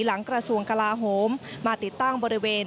หลังกระทรวงกลาโหมมาติดตั้งบริเวณ